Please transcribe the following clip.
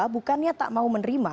bukannya tak mau menerima